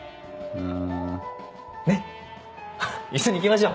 うん。